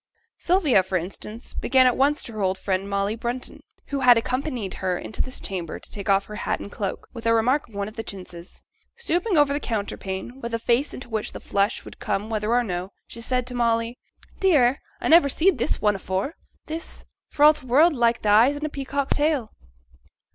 Sylvia, for instance, began at once to her old friend, Molly Brunton, who had accompanied her into this chamber to take off her hat and cloak, with a remark on one of the chintzes. Stooping over the counterpane, with a face into which the flush would come whether or no, she said to Molly, 'Dear! I never seed this one afore this for all t' world like th' eyes in a peacock's tail.'